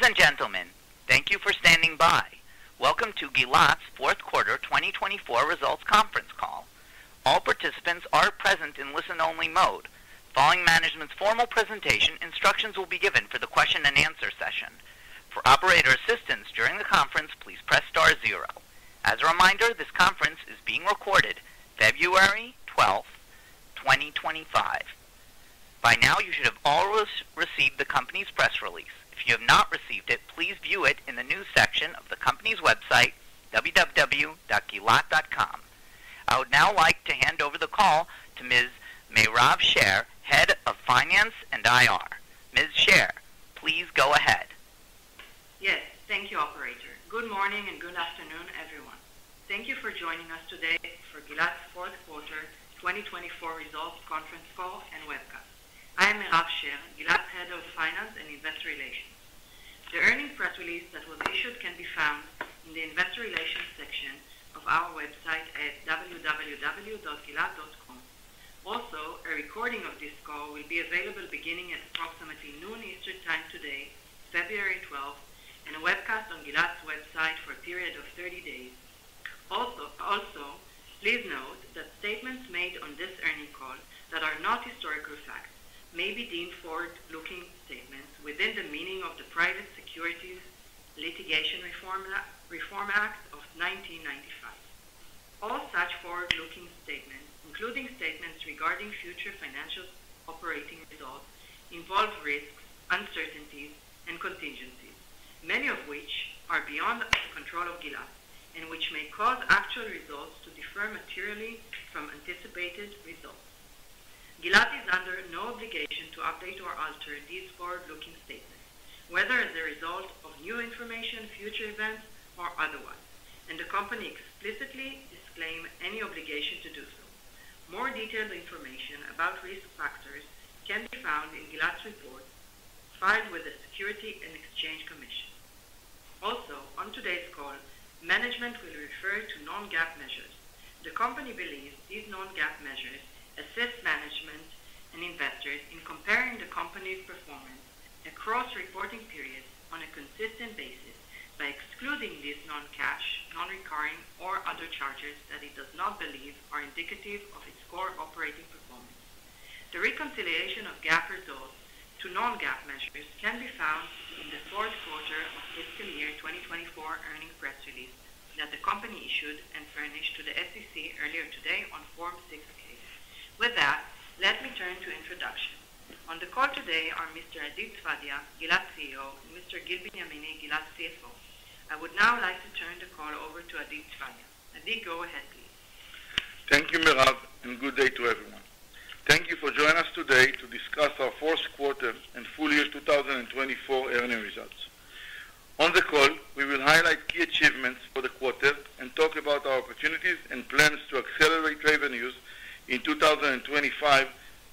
Ladies and gentlemen, thank you for standing by. Welcome to Gilat's Fourth Quarter 2024 Results Conference Call. All participants are present in listen-only mode. Following management's formal presentation, instructions will be given for the question-and-answer session. For operator assistance during the conference, please press star zero. As a reminder, this conference is being recorded, February 12th, 2025. By now, you should have all received the company's press release. If you have not received it, please view it in the news section of the company's website, www.gilat.com. I would now like to hand over the call to Ms. Mayrav Sher, Head of Finance and IR. Ms. Sher, please go ahead. Yes, thank you, Operator. Good morning and good afternoon, everyone. Thank you for joining us today for Gilat's Fourth Quarter 2024 Results Conference Call and webcast. I am Mayrav Sher, Gilat's Head of Finance and Investor Relations. The earnings press release that was issued can be found in the Investor Relations section of our website at www.gilat.com. Also, a recording of this call will be available beginning at approximately noon Eastern Time today, February 12th, and a webcast on Gilat's website for a period of 30 days. Also, please note that statements made on this earnings call that are not historical facts may be deemed forward-looking statements within the meaning of the Private Securities Litigation Reform Act of 1995. All such forward-looking statements, including statements regarding future financial operating results, involve risks, uncertainties, and contingencies, many of which are beyond the control of Gilat and which may cause actual results to differ materially from anticipated results. Gilat is under no obligation to update or alter these forward-looking statements, whether as a result of new information, future events, or otherwise, and the company explicitly disclaims any obligation to do so. More detailed information about risk factors can be found in Gilat's report filed with the Securities and Exchange Commission. Also, on today's call, management will refer to non-GAAP measures. The company believes these non-GAAP measures assist management and investors in comparing the company's performance across reporting periods on a consistent basis by excluding these non-cash, non-recurring, or other charges that it does not believe are indicative of its core operating performance. The reconciliation of GAAP results to non-GAAP measures can be found in the Fourth Quarter of Fiscal Year 2024 earnings press release that the company issued and furnished to the SEC earlier today on Form 6-K. With that, let me turn to introductions. On the call today are Mr. Adi Sfadia, Gilat CEO, and Mr. Gil Benyamini, Gilat CFO. I would now like to turn the call over to Adi Sfadia. Adi, go ahead, please. Thank you, Mayrav, and good day to everyone. Thank you for joining us today to discuss our Fourth Quarter and Full Year 2024 earnings results. On the call, we will highlight key achievements for the quarter and talk about our opportunities and plans to accelerate revenues in 2025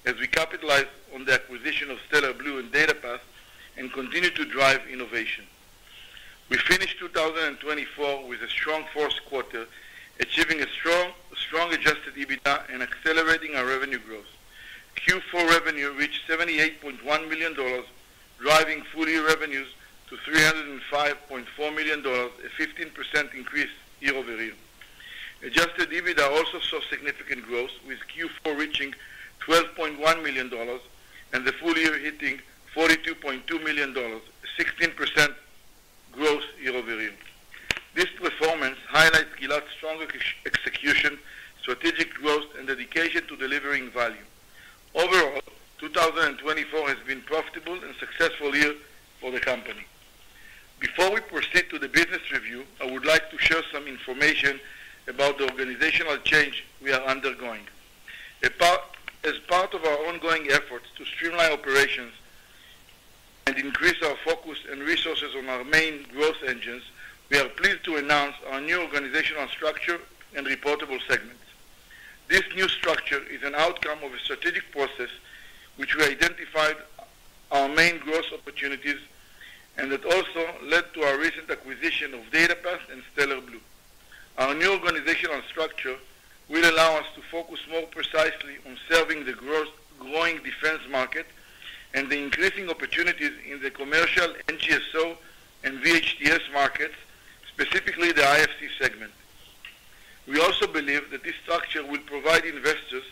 as we capitalize on the acquisition of Stellar Blu and DataPath and continue to drive innovation. We finished 2024 with a strong Fourth Quarter, achieving a strong Adjusted EBITDA and accelerating our revenue growth. Q4 revenue reached $78.1 million, driving full-year revenues to $305.4 million, a 15% increase year over year. Adjusted EBITDA also saw significant growth, with Q4 reaching $12.1 million and the full-year hitting $42.2 million, a 16% growth year over year. This performance highlights Gilat's strong execution, strategic growth, and dedication to delivering value. Overall, 2024 has been a profitable and successful year for the company. Before we proceed to the business review, I would like to share some information about the organizational change we are undergoing. As part of our ongoing efforts to streamline operations and increase our focus and resources on our main growth engines, we are pleased to announce our new organizational structure and reportable segments. This new structure is an outcome of a strategic process which we identified our main growth opportunities and that also led to our recent acquisition of DataPath and Stellar Blu. Our new organizational structure will allow us to focus more precisely on serving the growing defense market and the increasing opportunities in the commercial NGSO and VHTS markets, specifically the IFC segment. We also believe that this structure will provide investors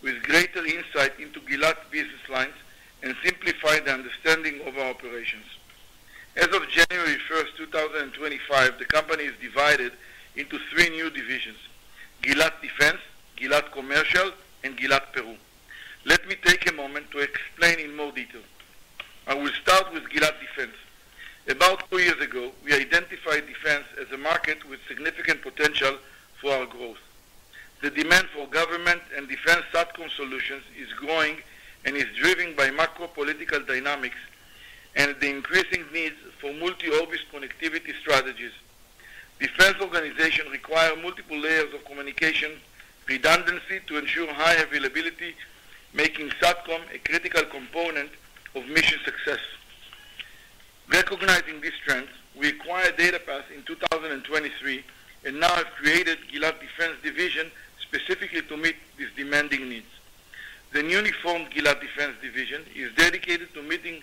with greater insight into Gilat business lines and simplify the understanding of our operations. As of January 1st, 2025, the company is divided into three new divisions: Gilat Defense, Gilat Commercial, and Gilat Peru. Let me take a moment to explain in more detail. I will start with Gilat Defense. About two years ago, we identified defense as a market with significant potential for our growth. The demand for government and defense satcom solutions is growing and is driven by macro-political dynamics and the increasing needs for multi-orbit connectivity strategies. Defense organizations require multiple layers of communication redundancy to ensure high availability, making satcom a critical component of mission success. Recognizing this trend, we acquired DataPath in 2023 and now have created the Gilat Defense Division specifically to meet these demanding needs. The newly formed Gilat Defense Division is dedicated to meeting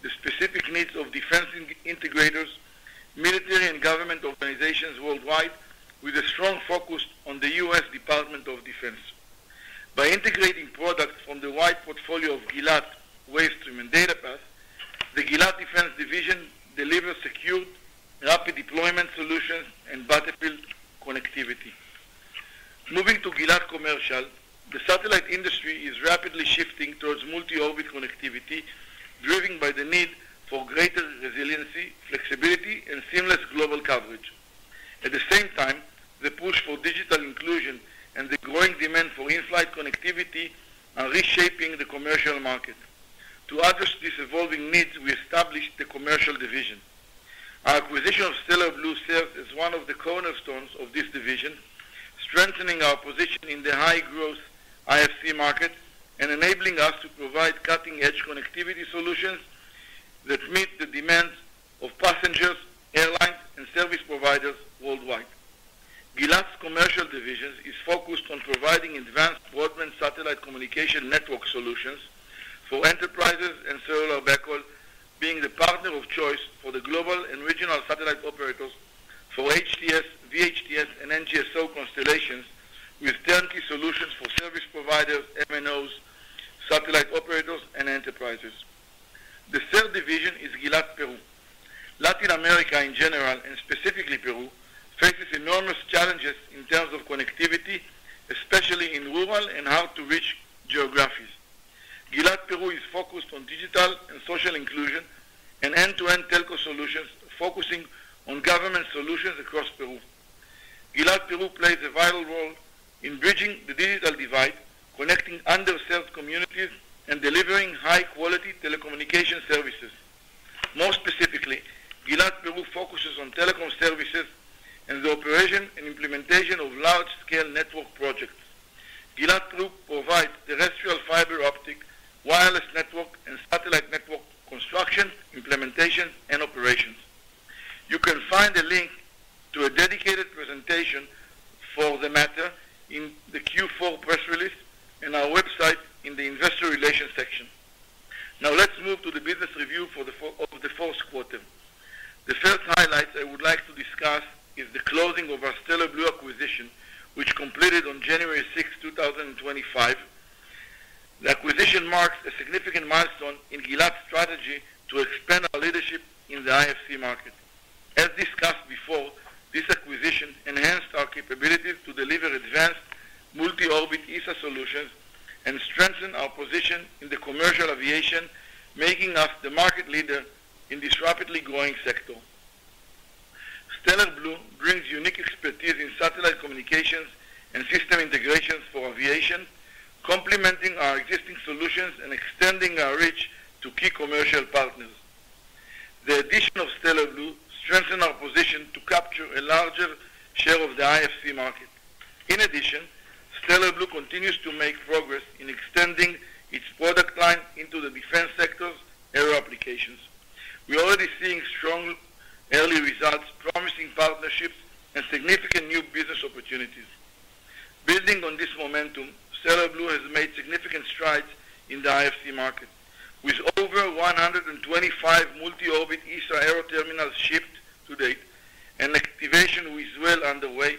the specific needs of defense integrators, military and government organizations worldwide, with a strong focus on the U.S. Department of Defense. By integrating products from the wide portfolio of Gilat, Wavestream, and DataPath, the Gilat Defense Division delivers secured, rapid deployment solutions and battlefield connectivity. Moving to Gilat Commercial, the satellite industry is rapidly shifting towards multi-orbit connectivity, driven by the need for greater resiliency, flexibility, and seamless global coverage. At the same time, the push for digital inclusion and the growing demand for in-flight connectivity are reshaping the commercial market. To address these evolving needs, we established the Commercial Division. Our acquisition of Stellar Blu serves as one of the cornerstones of this division, strengthening our position in the high-growth IFC market and enabling us to provide cutting-edge connectivity solutions that meet the demands of passengers, airlines, and service providers worldwide. Gilat's Commercial Division is focused on providing advanced broadband satellite communication network solutions for enterprises and cellular backhaul, being the partner of choice for the global and regional satellite operators, for HTS, VHTS, and NGSO constellations, with turnkey solutions for service providers, MNOs, satellite operators, and enterprises. The third division is Gilat Peru. Latin America, in general, and specifically Peru, faces enormous challenges in terms of connectivity, especially in rural and hard-to-reach geographies. Gilat Peru is focused on digital and social inclusion and end-to-end telco solutions, focusing on government solutions across Peru. Gilat Peru plays a vital role in bridging the digital divide, connecting underserved communities, and delivering high-quality telecommunication services. More specifically, Gilat Peru focuses on telecom services and the operation and implementation of large-scale network projects. Gilat Peru provides terrestrial fiber optic, wireless network, and satellite network construction, implementation, and operations. You can find a link to a dedicated presentation for the matter in the Q4 press release and our website in the Investor Relations section. Now, let's move to the business review of the Fourth Quarter. The first highlight I would like to discuss is the closing of our Stellar Blu acquisition, which completed on January 6th, 2025. The acquisition marks a significant milestone in Gilat's strategy to expand our leadership in the IFC market. As discussed before, this acquisition enhanced our capabilities to deliver advanced multi-orbit ESA solutions and strengthen our position in the commercial aviation, making us the market leader in this rapidly growing sector. Stellar Blu brings unique expertise in satellite communications and system integrations for aviation, complementing our existing solutions and extending our reach to key commercial partners. The addition of Stellar Blu strengthens our position to capture a larger share of the IFC market. In addition, Stellar Blu continues to make progress in extending its product line into the defense sector's aerial applications. We are already seeing strong early results, promising partnerships, and significant new business opportunities. Building on this momentum, Stellar Blu has made significant strides in the IFC market. With over 125 multi-orbit ESA aero terminals shipped to date and activation with Israel underway,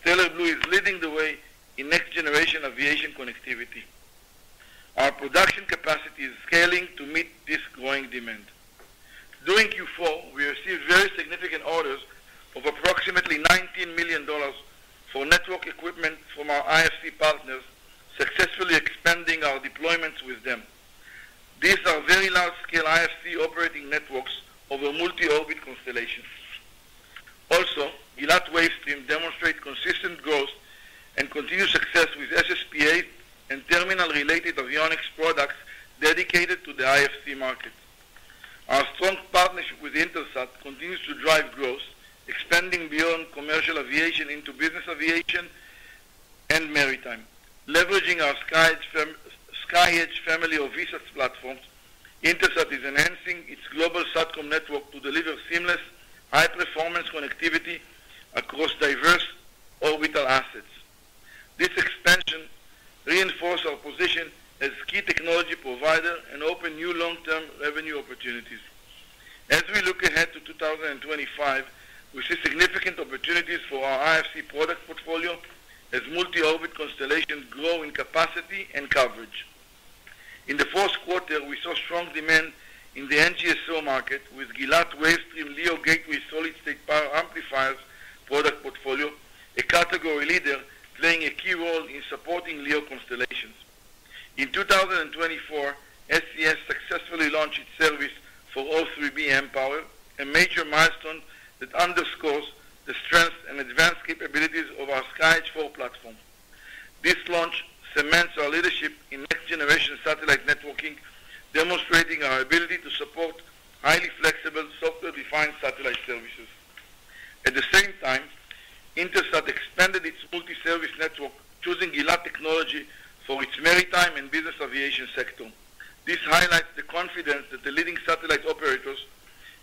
Stellar Blu is leading the way in next-generation aviation connectivity. Our production capacity is scaling to meet this growing demand. During Q4, we received very significant orders of approximately $19 million for network equipment from our IFC partners, successfully expanding our deployments with them. These are very large-scale IFC operating networks over multi-orbit constellations. Also, Gilat Wavestream demonstrates consistent growth and continued success with SSPA and terminal-related avionics products dedicated to the IFC market. Our strong partnership with Intelsat continues to drive growth, expanding beyond commercial aviation into business aviation and maritime. Leveraging our SkyEdge family of VSAT platforms, Intelsat is enhancing its global satcom network to deliver seamless, high-performance connectivity across diverse orbital assets. This expansion reinforces our position as a key technology provider and opens new long-term revenue opportunities. As we look ahead to 2025, we see significant opportunities for our IFC product portfolio as multi-orbit constellations grow in capacity and coverage. In the Fourth Quarter, we saw strong demand in the NGSO market with Gilat Wavestream LEO Gateway Solid State Power Amplifiers product portfolio, a category leader playing a key role in supporting LEO constellations. In 2024, SES successfully launched its service for O3b mPOWER, a major milestone that underscores the strength and advanced capabilities of our SkyEdge IV platform. This launch cements our leadership in next-generation satellite networking, demonstrating our ability to support highly flexible, software-defined satellite services. At the same time, Intelsat expanded its multi-service network, choosing Gilat technology for its maritime and business aviation sector. This highlights the confidence that the leading satellite operators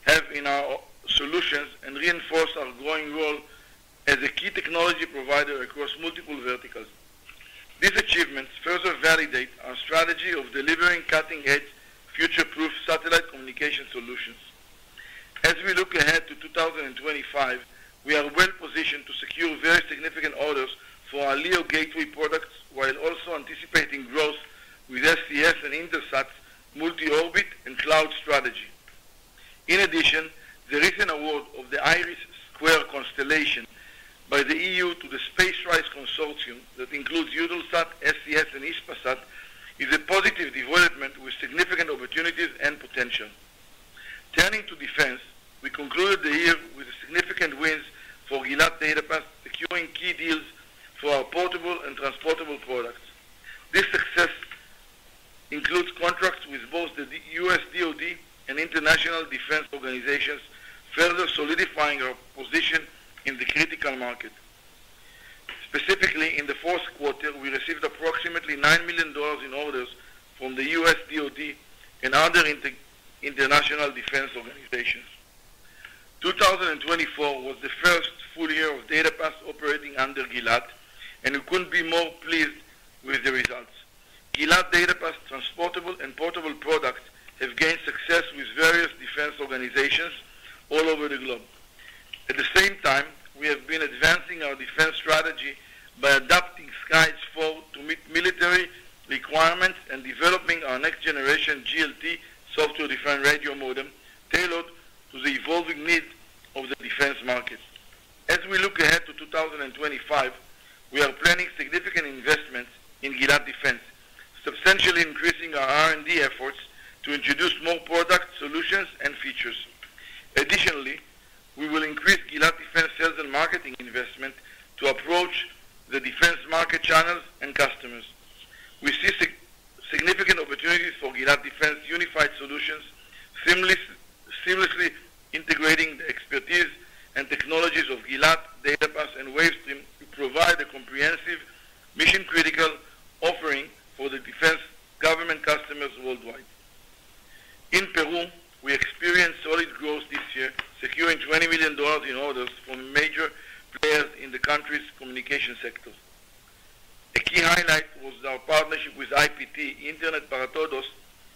have in our solutions and reinforces our growing role as a key technology provider across multiple verticals. These achievements further validate our strategy of delivering cutting-edge, future-proof satellite communication solutions. As we look ahead to 2025, we are well-positioned to secure very significant orders for our LEO Gateway products while also anticipating growth with SES and Intelsat's multi-orbit and cloud strategy. In addition, the recent award of the IRIS² constellation by the EU to the SpaceRISE Consortium that includes Eutelsat, SES, and Hispasat is a positive development with significant opportunities and potential. Turning to defense, we concluded the year with significant wins for Gilat DataPath, securing key deals for our portable and transportable products. This success includes contracts with both the U.S. DOD and international defense organizations, further solidifying our position in the critical market. Specifically, in the Fourth Quarter, we received approximately $9 million in orders from the U.S. DOD and other international defense organizations. 2024 was the first full year of DataPath operating under Gilat, and we couldn't be more pleased with the results. Gilat DataPath's transportable and portable products have gained success with various defense organizations all over the globe. At the same time, we have been advancing our defense strategy by adapting SkyEdge IV to meet military requirements and developing our next-generation Gilat software-defined radio modem tailored to the evolving needs of the defense market. As we look ahead to 2025, we are planning significant investments in Gilat Defense, substantially increasing our R&D efforts to introduce more product solutions and features. Additionally, we will increase Gilat Defense sales and marketing investment to approach the defense market channels and customers. We see significant opportunities for Gilat Defense unified solutions, seamlessly integrating the expertise and technologies of Gilat, DataPath, and Wavestream to provide a comprehensive mission-critical offering for the defense government customers worldwide. In Peru, we experienced solid growth this year, securing $20 million in orders from major players in the country's communication sector. A key highlight was our partnership with IpT Internet para Todos,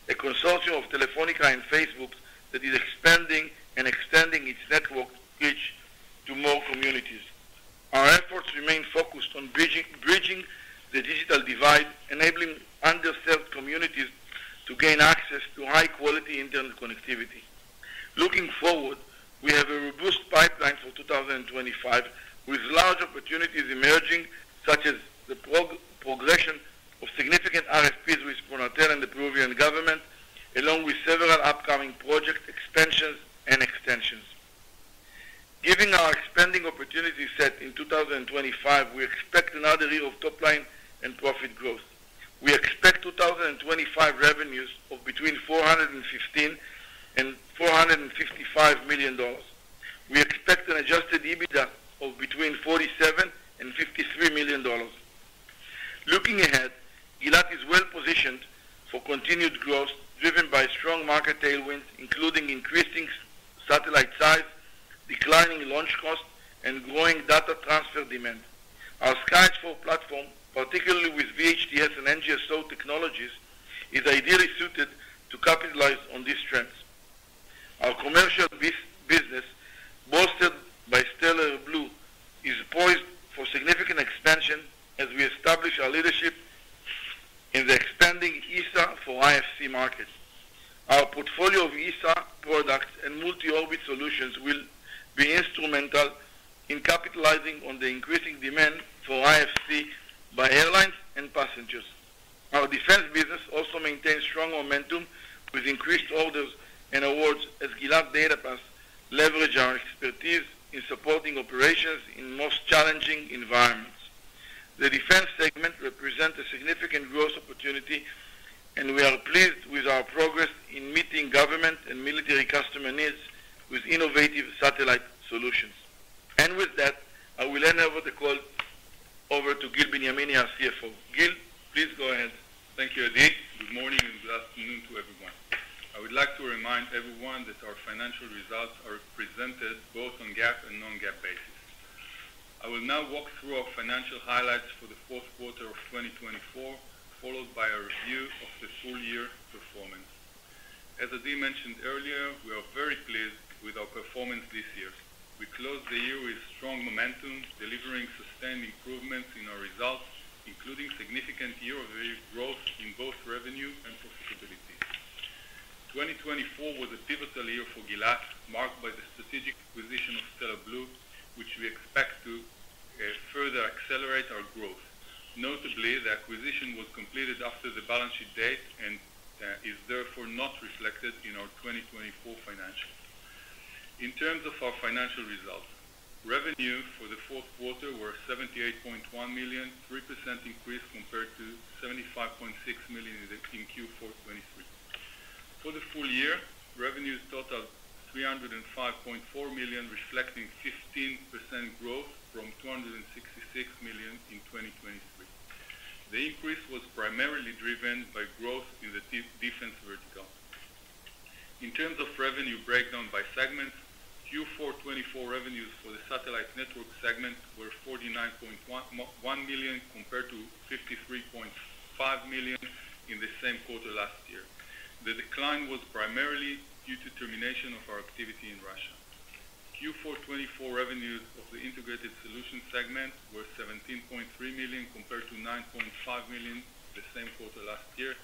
a consortium of Telefónica and Facebook that is expanding and extending its network reach to more communities. Our efforts remain focused on bridging the digital divide, enabling underserved communities to gain access to high-quality internet connectivity. Looking forward, we have a robust pipeline for 2025, with large opportunities emerging, such as the progression of significant RFPs with Pronatel and the Peruvian government, along with several upcoming project expansions and extensions. Given our expanding opportunity set in 2025, we expect another year of top-line and profit growth. We expect 2025 revenues of between $415 million-$455 million. We expect an adjusted EBITDA of between $47 million-$53 million. Looking ahead, Gilat is well-positioned for continued growth driven by strong market tailwinds, including increasing satellite size, declining launch costs, and growing data transfer demand. Our SkyEdge IV platform, particularly with VHTS and NGSO technologies, is ideally suited to capitalize on these trends. Our commercial business, bolstered by Stellar Blu, is poised for significant expansion as we establish our leadership in the expanding ESA for IFC market. Our portfolio of ESA products and multi-orbit solutions will be instrumental in capitalizing on the increasing demand for IFC by airlines and passengers. Our defense business also maintains strong momentum with increased orders and awards as Gilat DataPath leverages our expertise in supporting operations in most challenging environments. The defense segment represents a significant growth opportunity, and we are pleased with our progress in meeting government and military customer needs with innovative satellite solutions. With that, I will hand over the call to Gil Benyamini, our CFO. Gil, please go ahead. Thank you, Adi. Good morning and good afternoon to everyone. I would like to remind everyone that our financial results are presented both on a GAAP and non-GAAP basis. I will now walk through our financial highlights for the fourth quarter of 2024, followed by a review of the full-year performance. As Adi mentioned earlier, we are very pleased with our performance this year. We closed the year with strong momentum, delivering sustained improvements in our results, including significant year-over-year growth in both revenue and profitability. 2024 was a pivotal year for Gilat, marked by the strategic acquisition of Stellar Blu, which we expect to further accelerate our growth. Notably, the acquisition was completed after the balance sheet date and is therefore not reflected in our 2024 financials. In terms of our financial results, revenues for the Fourth Quarter were $78.1 million, a 3% increase compared to $75.6 million in Q4 2023. For the full year, revenues totaled $305.4 million, reflecting a 15% growth from $266 million in 2023. The increase was primarily driven by growth in the defense vertical. In terms of revenue breakdown by segments, Q4 2024 revenues for the satellite network segment were $49.1 million compared to $53.5 million in the same quarter last year. The decline was primarily due to the termination of our activity in Russia. Q4 2024 revenues of the integrated solution segment were $17.3 million compared to $9.5 million the same quarter last year.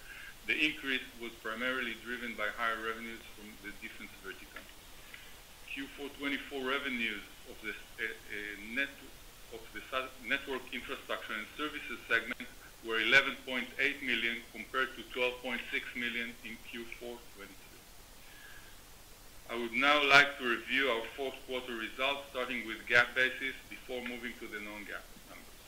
The increase was primarily driven by higher revenues from the defense vertical. Q4 2024 revenues of the network infrastructure and services segment were $11.8 million compared to $12.6 million in Q4 2023. I would now like to review our Fourth Quarter results, starting with GAAP basis before moving to the non-GAAP numbers.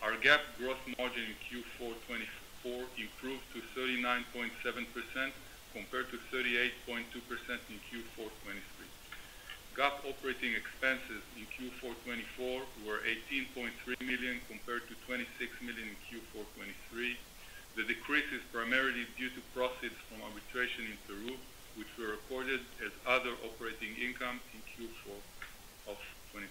Our GAAP gross margin in Q4 2024 improved to 39.7% compared to 38.2% in Q4 2023. GAAP operating expenses in Q4 2024 were $18.3 million compared to $26 million in Q4 2023. The decrease is primarily due to profits from arbitration in Peru, which were recorded as other operating income in Q4 2023.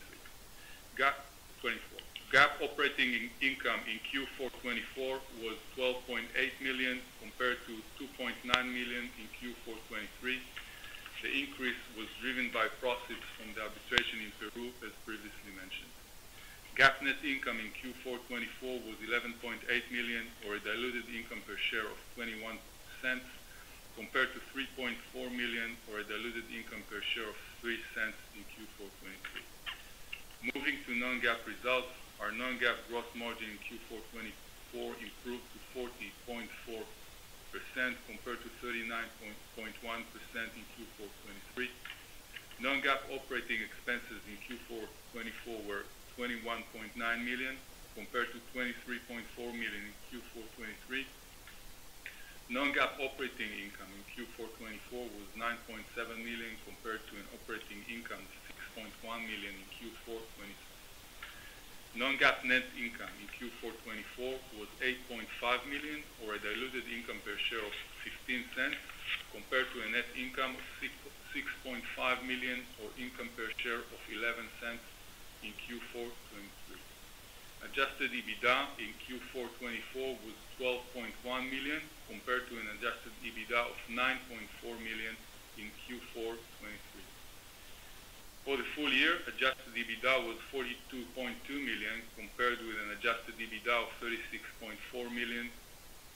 GAAP operating income in Q4 2024 was $12.8 million compared to $2.9 million in Q4 2023. The increase was driven by profits from the arbitration in Peru, as previously mentioned. GAAP net income in Q4 2024 was $11.8 million, or a diluted income per share of $0.21, compared to $3.4 million, or a diluted income per share of $0.03 in Q4 2023. Moving to non-GAAP results, our non-GAAP gross margin in Q4 2024 improved to 40.4% compared to 39.1% in Q4 2023. Non-GAAP operating expenses in Q4 2024 were $21.9 million compared to $23.4 million in Q4 2023. Non-GAAP operating income in Q4 2024 was $9.7 million compared to an operating income of $6.1 million in Q4 2023. Non-GAAP net income in Q4 2024 was $8.5 million, or a diluted income per share of $0.15, compared to a net income of $6.5 million or income per share of $0.11 in Q4 2023. Adjusted EBITDA in Q4 2024 was $12.1 million compared to an adjusted EBITDA of $9.4 million in Q4 2023. For the full year, adjusted EBITDA was $42.2 million compared with an adjusted EBITDA of $36.4 million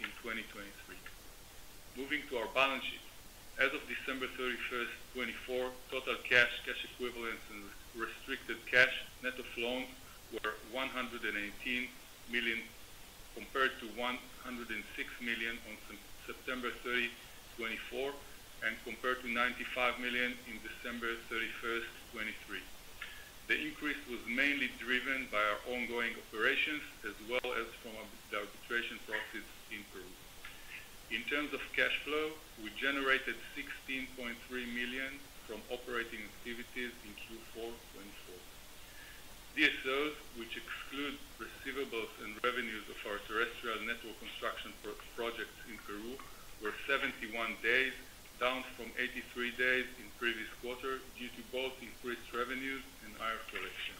in 2023. Moving to our balance sheets. As of December 31, 2024, total cash, cash equivalents, and restricted cash net of loans were $118 million compared to $106 million on September 30, 2024, and compared to $95 million on December 31, 2023. The increase was mainly driven by our ongoing operations as well as from the arbitration profits in Peru. In terms of cash flow, we generated $16.3 million from operating activities in Q4 2024. DSOs, which exclude receivables and revenues of our terrestrial network construction projects in Peru, were 71 days, down from 83 days in the previous quarter due to both increased revenues and IRA collection.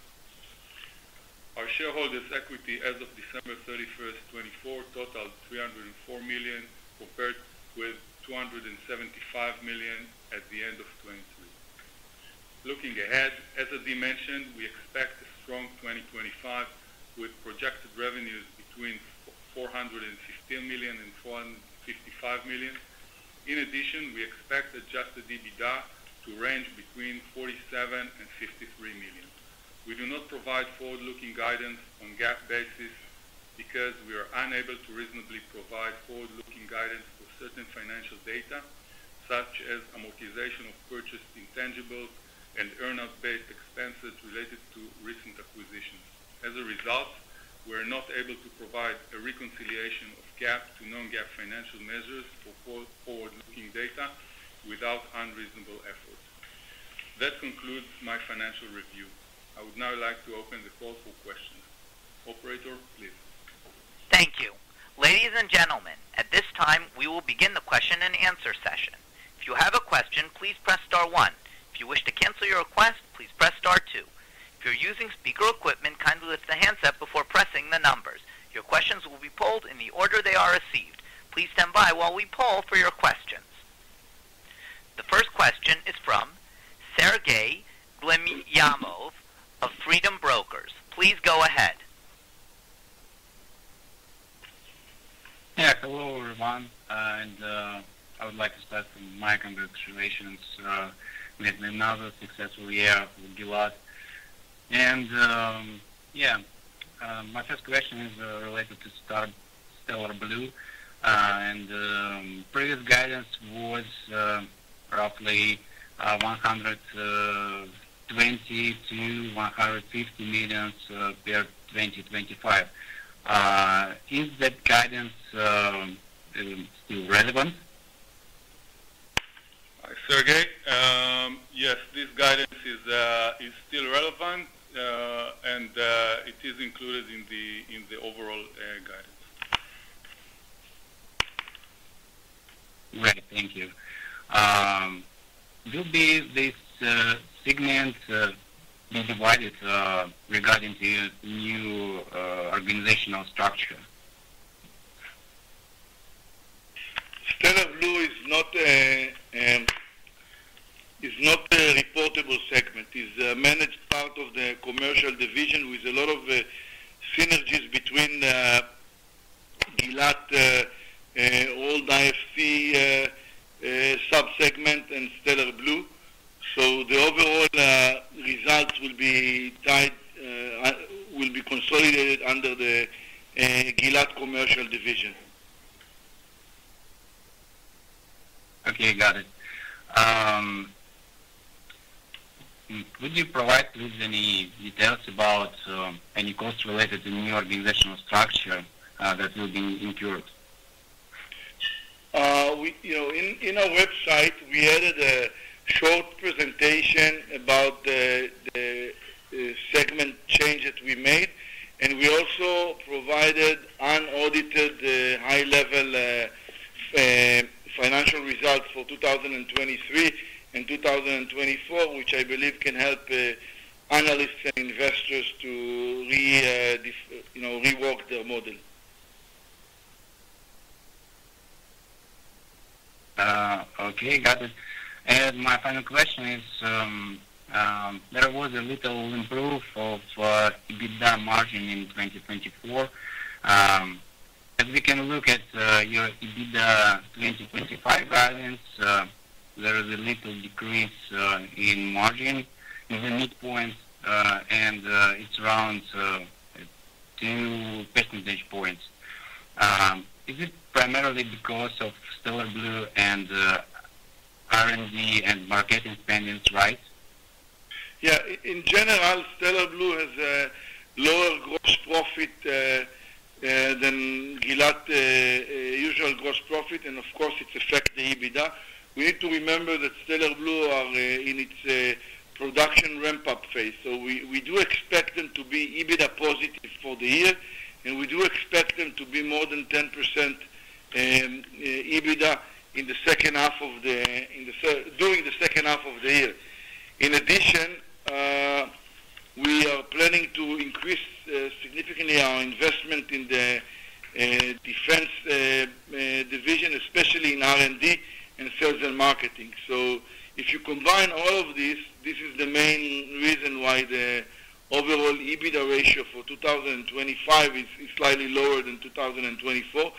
Our shareholders' equity as of December 31, 2024, totaled $304 million compared with $275 million at the end of 2023. Looking ahead, as Adi mentioned, we expect a strong 2025 with projected revenues between $415 million and $455 million. In addition, we expect Adjusted EBITDA to range between $47 and $53 million. We do not provide forward-looking guidance on GAAP basis because we are unable to reasonably provide forward-looking guidance for certain financial data, such as amortization of purchased intangibles and earn-out-based expenses related to recent acquisitions. As a result, we are not able to provide a reconciliation of GAAP to non-GAAP financial measures for forward-looking data without unreasonable effort. That concludes my financial review. I would now like to open the call for questions. Operator, please. Thank you. Ladies and gentlemen, at this time, we will begin the question and answer session. If you have a question, please press star one. If you wish to cancel your request, please press star two. If you're using speaker equipment, kindly lift the handset before pressing the numbers. Your questions will be polled in the order they are received. Please stand by while we poll for your questions. The first question is from Sergey Glinyanov of Freedom Broker. Please go ahead. Yeah, hello, everyone. I would like to start from my congratulations with another successful year for Gilat. Yeah, my first question is related to Stellar Blu. Previous guidance was roughly $120 million-$150 million per 2025. Is that guidance still relevant? Sergey, yes, this guidance is still relevant, and it is included in the overall guidance. Right, thank you. Will this segment be divided regarding the new organizational structure? Stellar Blu is not a reportable segment. It's a managed part of the commercial division with a lot of synergies between Gilat, old IFC subsegment, and Stellar Blu. So the overall results will be consolidated under the Gilat commercial division. Okay, got it. Would you provide please any details about any costs related to the new organizational structure that will be incurred? On our website, we added a short presentation about the segment changes we made, and we also provided unaudited high-level financial results for 2023 and 2024, which I believe can help analysts and investors to rework their model. Okay, got it. And my final question is, there was a little improvement of EBITDA margin in 2024. As we can look at your EBITDA 2025 guidance, there is a little decrease in margin in the midpoint, and it's around 2 percentage points. Is it primarily because of Stellar Blu and R&D and marketing spending rise? Yeah, in general, Stellar Blu has a lower gross profit than Gilat's usual gross profit, and of course, it's affecting EBITDA. We need to remember that Stellar Blu is in its production ramp-up phase, so we do expect them to be EBITDA positive for the year, and we do expect them to be more than 10% EBITDA in the second half of the year. In addition, we are planning to increase significantly our investment in the defense division, especially in R&D and sales and marketing. So if you combine all of this, this is the main reason why the overall EBITDA ratio for 2025 is slightly lower than 2024,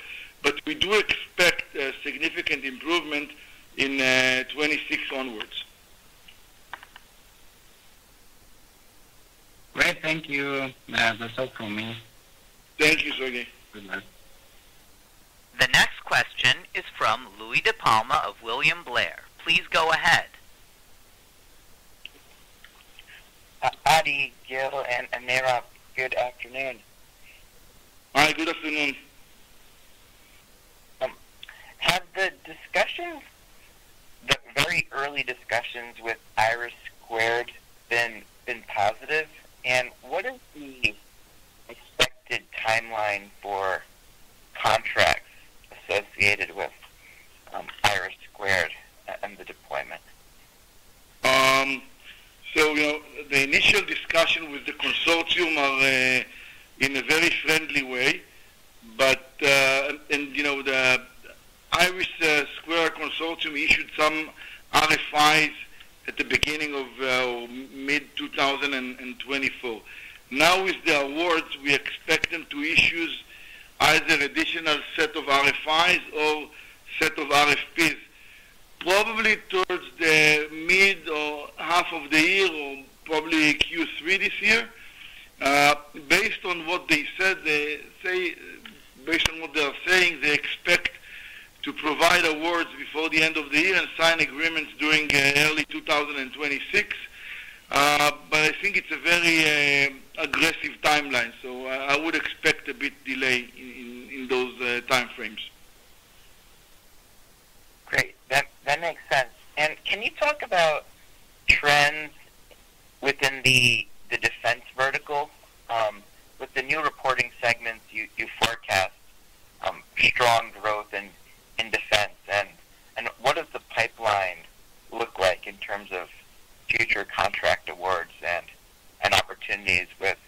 but we do expect a significant improvement in 2026 onwards. Great, thank you. That's all from me. Thank you, Sergey. Good night. The next question is from Louie DiPalma of William Blair. Please go ahead. Adi, Gil, and Amira, good afternoon. Hi, good afternoon. Have the discussions, the very early discussions with IRIS², been positive? And what is the expected timeline for contracts associated with IRIS² and the deployment? So the initial discussion with the consortium are in a very friendly way, but the IRIS² consortium issued some RFIs at the beginning of mid-2024. Now, with the awards, we expect them to issue either an additional set of RFIs or a set of RFPs, probably towards the mid or half of the year or probably Q3 this year. Based on what they said, they say, based on what they are saying, they expect to provide awards before the end of the year and sign agreements during early 2026. But I think it's a very aggressive timeline, so I would expect a bit of delay in those timeframes. Great. That makes sense. And can you talk about trends within the defense vertical? With the new reporting segments, you forecast strong growth in defense. And what does the pipeline look like in terms of future contract awards and opportunities with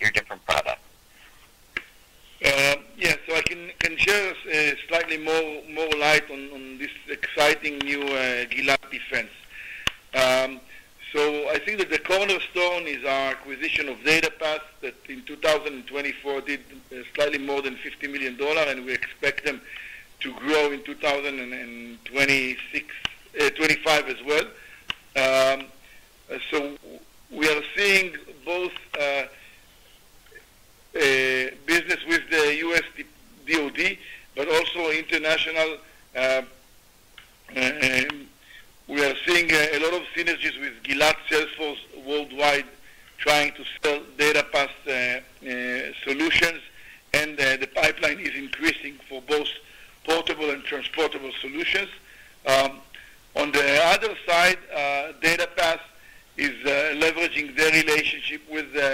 your different products? Yeah, so I can share slightly more light on this exciting new Gilat defense. I think that the cornerstone is our acquisition of DataPath that in 2024 did slightly more than $50 million, and we expect them to grow in 2025 as well. We are seeing both business with the U.S. DOD, but also international. We are seeing a lot of synergies with Gilat sales force worldwide trying to sell DataPath solutions, and the pipeline is increasing for both portable and transportable solutions. On the other side, DataPath is leveraging their relationship with the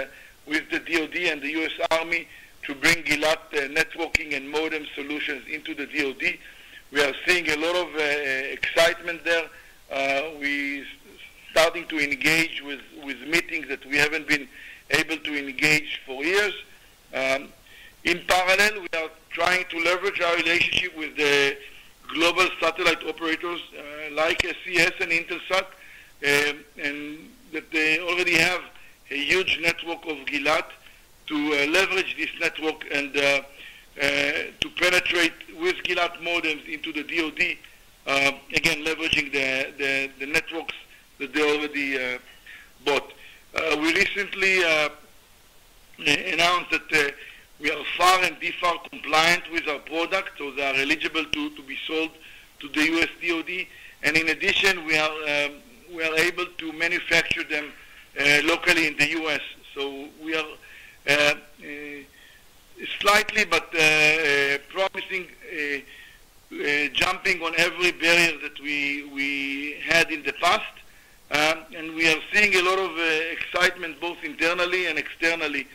DOD and the U.S. Army to bring Gilat networking and modem solutions into the DOD. We are seeing a lot of excitement there. We are starting to engage with meetings that we haven't been able to engage for years. In parallel, we are trying to leverage our relationship with the global satellite operators like SES and Intelsat, and they already have a huge network of Gilat to leverage this network and to penetrate with Gilat modems into the DOD, again, leveraging the networks that they already bought. We recently announced that we are FAR and DFAR compliant with our product, so they are eligible to be sold to the U.S. DOD. In addition, we are able to manufacture them locally in the U.S. We are solidly, but promisingly, jumping over every barrier that we had in the past. We are seeing a lot of excitement both internally and externally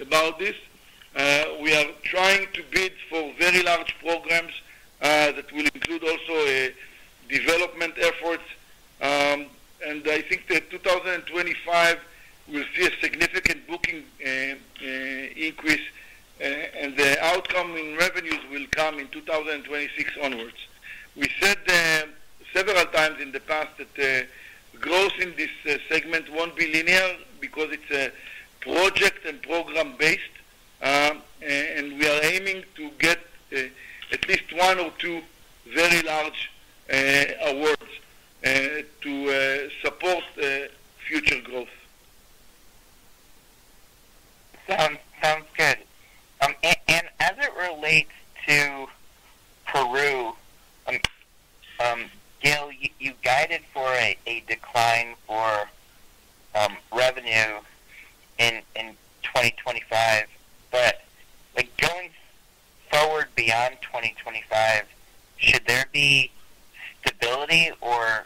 about this. We are trying to bid for very large programs that will include also development efforts. I think that 2025 will see a significant booking increase, and the outcome in revenues will come in 2026 onwards. We said several times in the past that the growth in this segment won't be linear because it's project and program-based, and we are aiming to get at least one or two very large awards to support future growth. Sounds good. As it relates to Peru, Gil, you guided for a decline for revenue in 2025, but going forward beyond 2025, should there be stability, or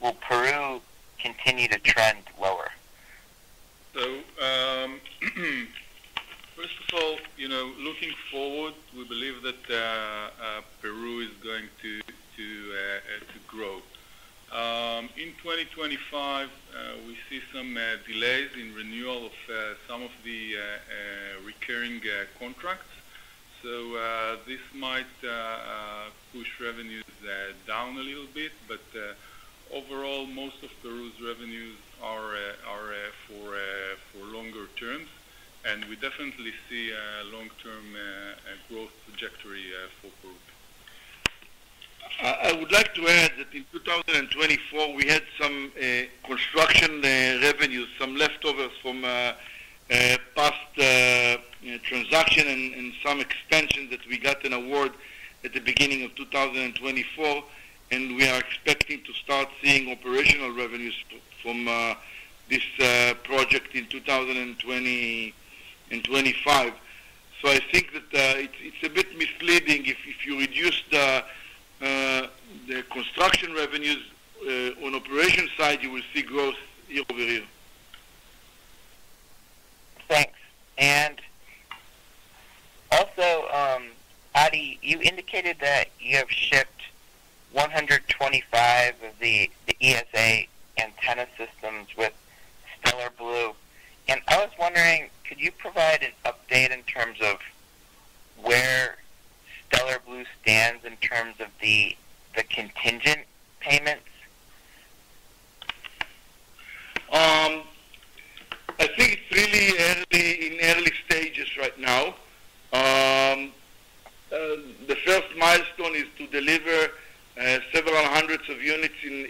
will Peru continue to trend lower? First of all, looking forward, we believe that Peru is going to grow. In 2025, we see some delays in renewal of some of the recurring contracts. So this might push revenues down a little bit, but overall, most of Peru's revenues are for longer terms, and we definitely see a long-term growth trajectory for Peru. I would like to add that in 2024, we had some construction revenues, some leftovers from past transactions, and some extensions that we got an award at the beginning of 2024, and we are expecting to start seeing operational revenues from this project in 2025. So I think that it's a bit misleading. If you reduce the construction revenues on the operation side, you will see growth year over year. Thanks. And also, Adi, you indicated that you have shipped 125 of the ESA antenna systems with Stellar Blu. And I was wondering, could you provide an update in terms of where Stellar Blu stands in terms of the contingent payments? I think it's really in early stages right now. The first milestone is to deliver several hundreds of units in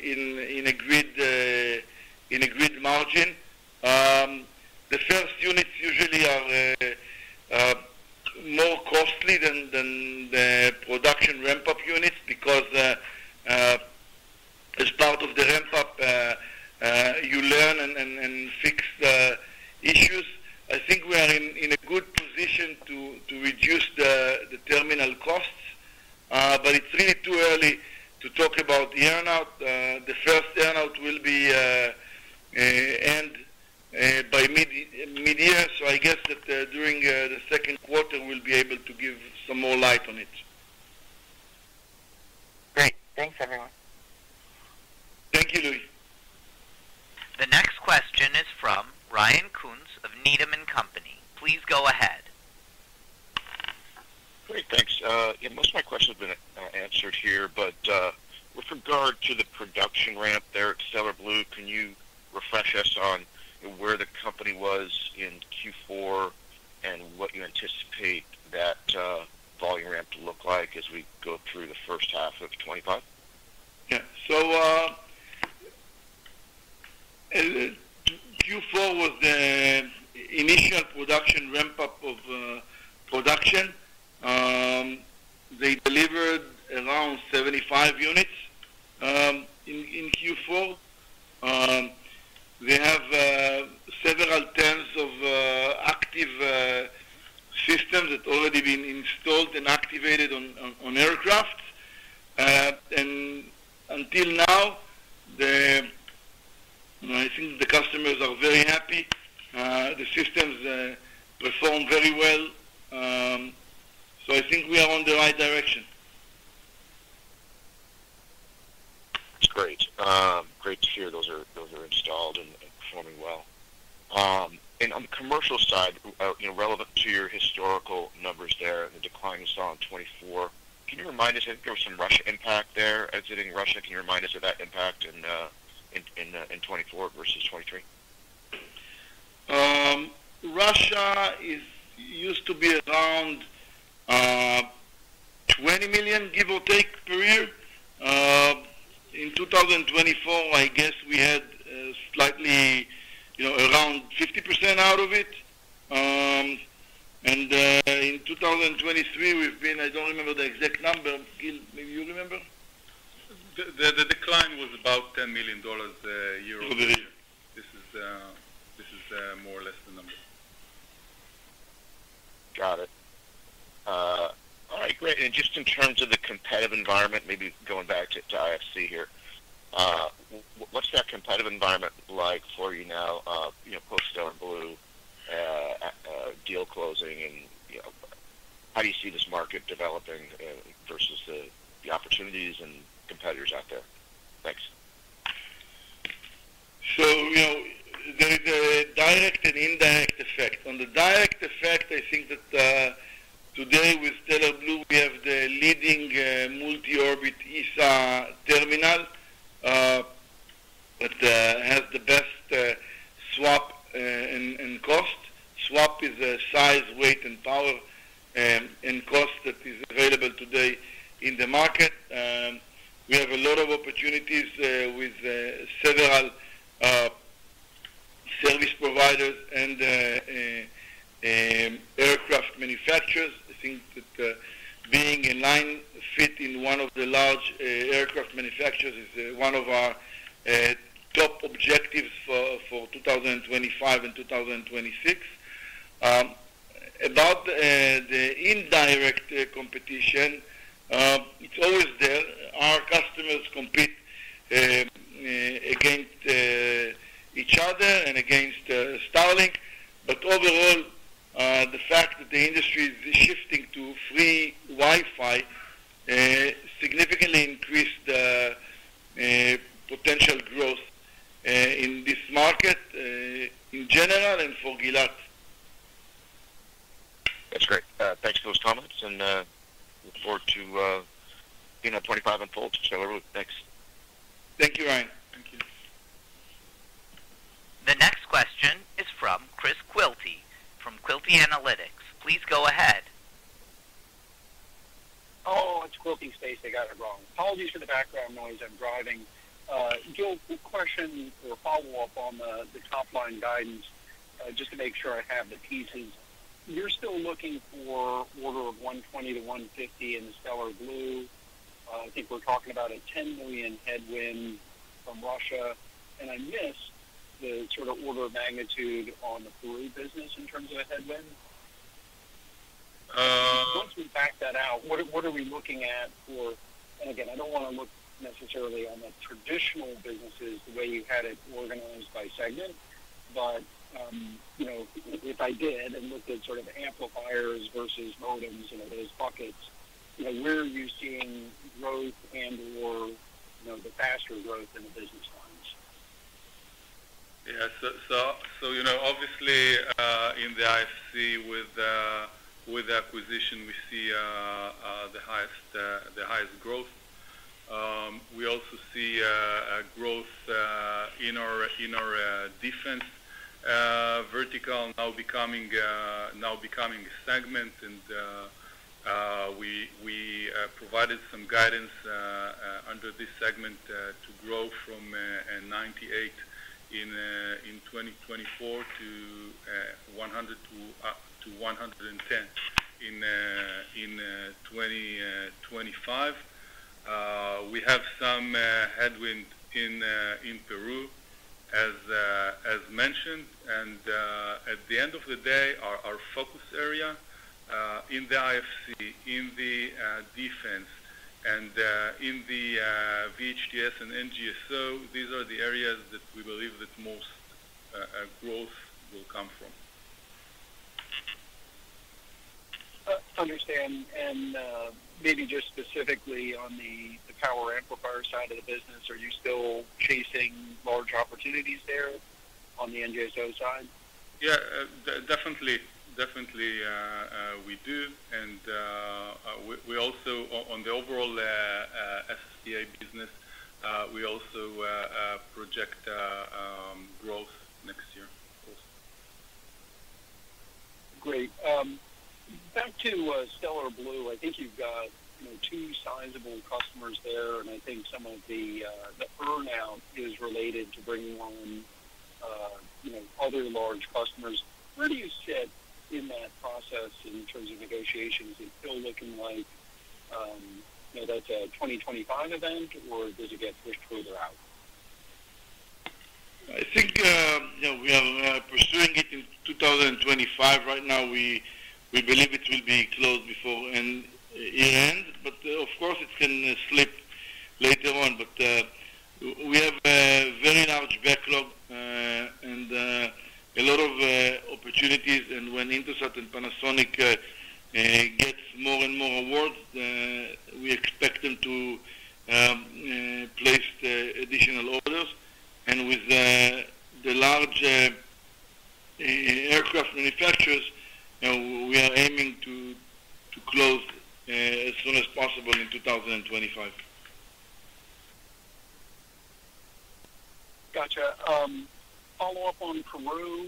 And until now, I think the customers are very happy. The systems perform very well. So I think we are on the right direction. That's great. Great to hear those are installed and performing well. And on the commercial side, relevant to your historical numbers there, the decline you saw in 2024, can you remind us? I think there was some Russia impact there. Exiting Russia, can you remind us of that impact in 2024 versus 2023? Russia used to be around $20 million, give or take, per year. In 2024, I guess we had slightly around 50% out of it. And in 2023, we've been. I don't remember the exact number. Gil, maybe you remember? The decline was about $10 million year over year. This is more or less the number. Got it. All right, great. And just in terms of the competitive environment, maybe going back to IFC here, what's that competitive environment like for you now, post Stellar Blu deal closing? And how do you see this market developing versus the opportunities and competitors out there? Thanks. So there is a direct and indirect effect. On the direct effect, I think that today with Stellar Blu, we have the leading multi-orbit ESA terminal that has the best SWaP and cost. SWaP is the size, weight, and power and cost that is available today in the market. We have a lot of opportunities with several service providers and aircraft manufacturers. I think that being a line fit in one of the large aircraft manufacturers is one of our top objectives for 2025 and 2026. About the indirect competition, it's always there. Our customers compete against each other and against Starlink. But overall, the fact that the industry is shifting to free Wi-Fi significantly increased the potential growth in this market in general and for Gilat. That's great. Thanks for those comments, and look forward to being at '25 and full to Stellar Blu. Thanks. Thank you, Ryan. Thank you. The next question is from Chris Quilty from Quilty Space. Please go ahead. Oh, it's Quilty Space. I got it wrong. Apologies for the background noise. I'm driving. Gil, quick question or follow-up on the top-line guidance, just to make sure I have the pieces. You're still looking for order of $120 million-$150 million in Stellar Blu. I think we're talking about a $10 million headwind from Russia. And I missed the sort of order of magnitude on the Peru business in terms of a headwind. Once we back that out, what are we looking at for? And again, I don't want to look necessarily on the traditional businesses the way you had it organized by segment, but if I did and looked at sort of amplifiers versus modems, those buckets, where are you seeing growth and/or the faster growth in the business lines? Yeah. So obviously, in the IFC with the acquisition, we see the highest growth. We also see growth in our defense vertical now becoming a segment. We provided some guidance under this segment to grow from 98 in 2024 to 100-110 in 2025. We have some headwind in Peru, as mentioned. At the end of the day, our focus area in the IFC, in the defense, and in the VHTS and NGSO, these are the areas that we believe that most growth will come from. Understand. Maybe just specifically on the power amplifier side of the business, are you still chasing large opportunities there on the NGSO side? Yeah, definitely. Definitely, we do. On the overall SSPA business, we also project growth next year, of course. Great. Back to Stellar Blu, I think you've got two sizable customers there, and I think some of the earnout is related to bringing on other large customers. Where do you sit in that process in terms of negotiations? Is it still looking like that's a 2025 event, or does it get pushed further out? I think we are pursuing it in 2025. Right now, we believe it will be closed before year-end, but of course, it can slip later on. We have a very large backlog and a lot of opportunities. When Intelsat and Panasonic get more and more awards, we expect them to place the additional orders. With the large aircraft manufacturers, we are aiming to close as soon as possible in 2025. Gotcha. Follow-up on Peru,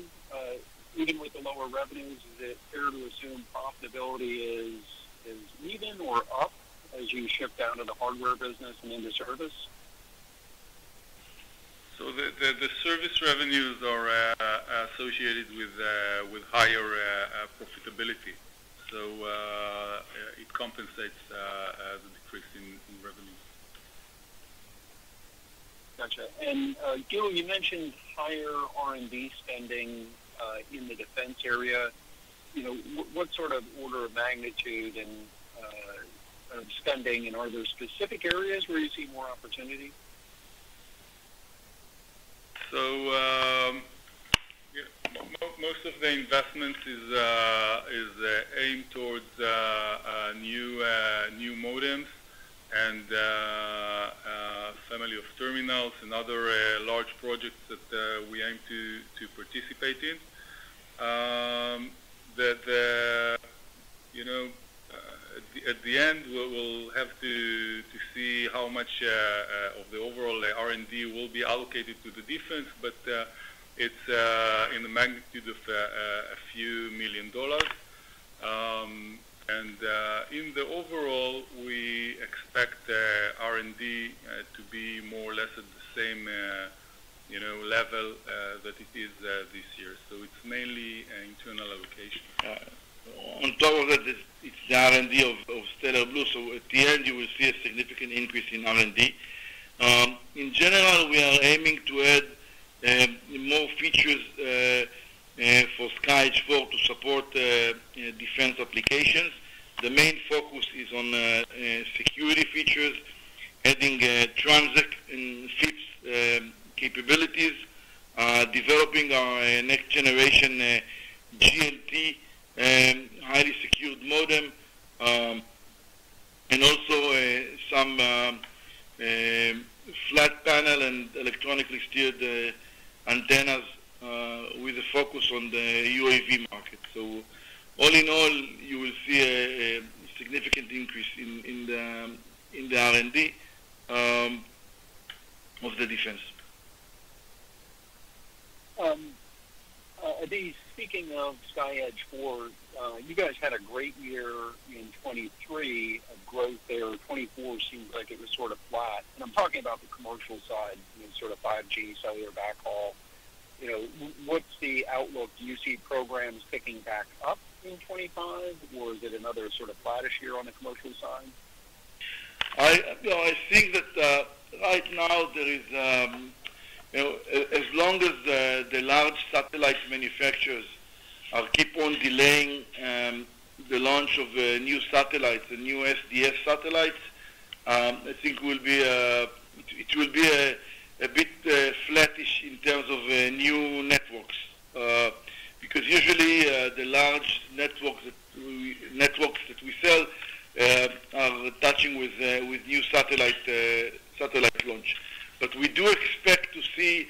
even with the lower revenues, is it fair to assume profitability is even or up as you shift out of the hardware business and into service? The service revenues are associated with higher profitability, so it compensates the decrease in revenues. Gotcha. Gil, you mentioned higher R&D spending in the defense area. What sort of order of magnitude and spending, and are there specific areas where you see more opportunity? So most of the investment is aimed towards new modems and family of terminals and other large projects that we aim to participate in. At the end, we'll have to see how much of the overall R&D will be allocated to the defense, but it's in the magnitude of a few million dollars. And in the overall, we expect R&D to be more or less at the same level that it is this year. So it's mainly internal allocation. On top of that, it's the R&D of Stellar Blu. So at the end, you will see a significant increase in R&D. In general, we are aiming to add more features for SkyH4 to support defense applications. The main focus is on security features, adding TRANSEC capabilities, developing our next-generation Gilat highly secured modem, and also some flat panel and electronically steered antennas with a focus on the UAV market. So all in all, you will see a significant increase in the R&D of the defense. Speaking of SkyH4, you guys had a great year in 2023 of growth there. 2024 seems like it was sort of flat. I'm talking about the commercial side, sort of 5G, cellular backhaul. What's the outlook? Do you see programs picking back up in 2025, or is it another sort of flatter year on the commercial side? I think that right now, there is, as long as the large satellite manufacturers keep on delaying the launch of new satellites, the new NGSO satellites, I think it will be a bit flattish in terms of new networks because usually the large networks that we sell are touching with new satellite launch. But we do expect to see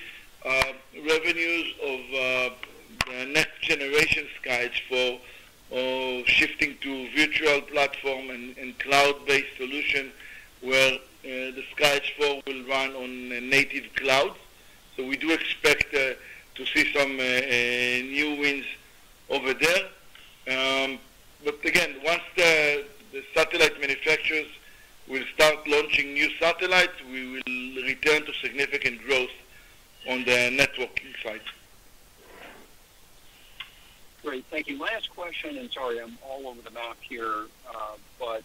revenues of the next-generation SkyH4 shifting to virtual platform and cloud-based solutions where the SkyH4 will run on native clouds, so we do expect to see some new wins over there, but again, once the satellite manufacturers will start launching new satellites, we will return to significant growth on the networking side. Great. Thank you. Last question, and sorry, I'm all over the map here, but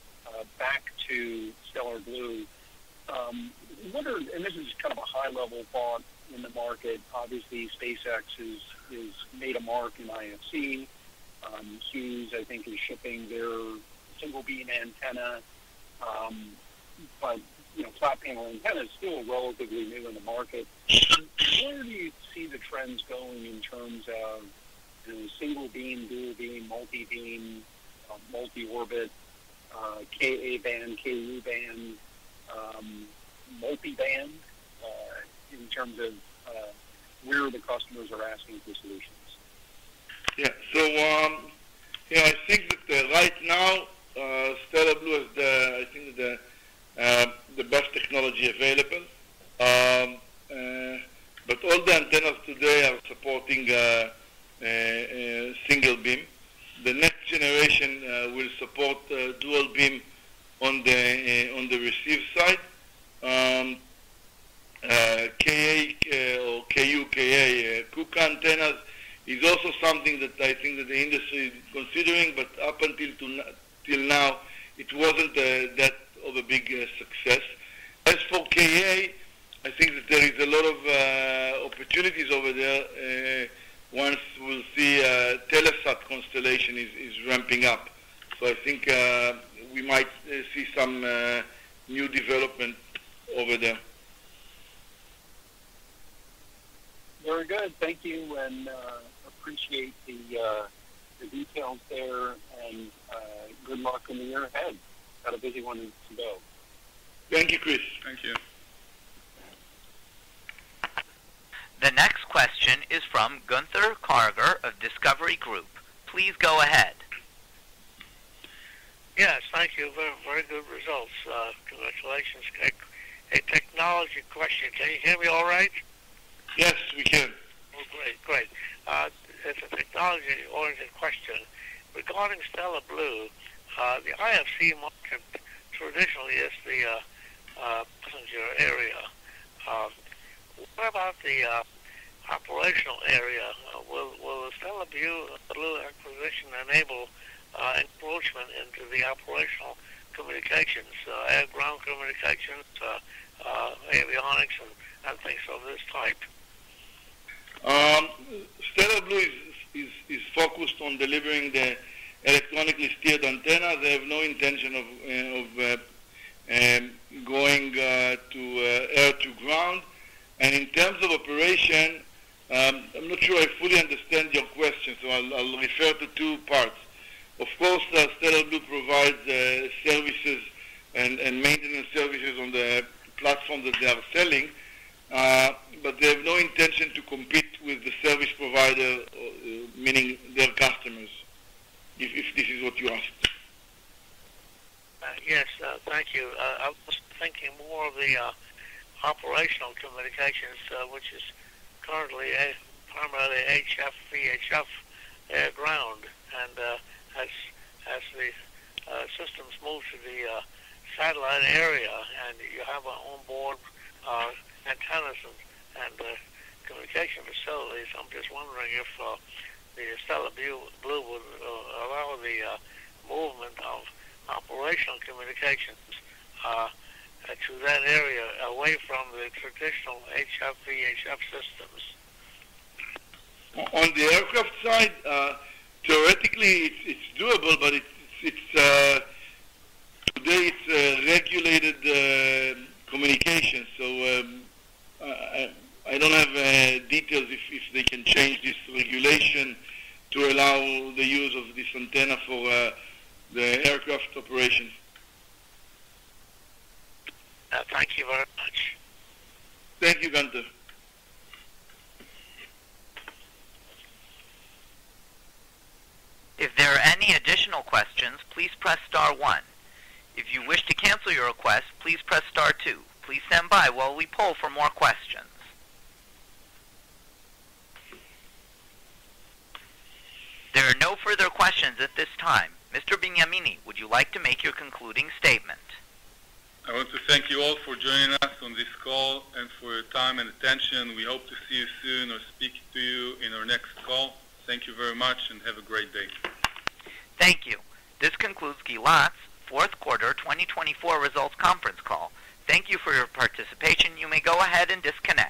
back to Stellar Blu, and this is kind of a high-level thought in the market. Obviously, SpaceX has made a mark in IFC. Hughes, I think, is shipping their single-beam antenna, but flat-panel antenna is still relatively new in the market. Where do you see the trends going in terms of single-beam, dual-beam, multi-beam, multi-orbit, Ka-band, Ku-band, multi-band in terms of where the customers are asking for solutions? Yeah. So I think that right now, Stellar Blu is, I think, the best technology available. But all the antennas today are supporting single-beam. The next generation will support dual-beam on the receive side. Ku/Ka Ku/Ka antennas is also something that I think that the industry is considering, but up until now, it wasn't that of a big success. As for Ka, I think that there is a lot of opportunities over there once we'll see Telesat constellation is ramping up. So I think we might see some new development over there. Very good. Thank you, and appreciate the details there, and good luck in the year ahead. Got a busy one to go. Thank you, Chris. Thank you. The next question is from Gunther Karger of Discovery Group. Please go ahead. Yes. Thank you. Very good results. Congratulations. A technology question. Can you hear me all right? Yes, we can. Oh, great. Great. It's a technology-oriented question. Regarding Stellar Blu, the IFC market traditionally is the passenger area. What about the operational area? Will the Stellar Blu acquisition enable encroachment into the operational communications, air-ground communications, avionics, and things of this type? Stellar Blu is focused on delivering the electronically steered antennas. They have no intention of going to air to ground. And in terms of operation, I'm not sure I fully understand your question, so I'll refer to two parts. Of course, Stellar Blu provides services and maintenance services on the platform that they are selling, but they have no intention to compete with the service provider, meaning their customers, if this is what you asked. Yes. Thank you. I was thinking more of the operational communications, which is currently primarily HF/VHF airground. And as the systems move to the satellite area and you have onboard antennas and communication facilities, I'm just wondering if the Stellar Blu would allow the movement of operational communications to that area away from the traditional HF/VHF systems. On the aircraft side, theoretically, it's doable, but today it's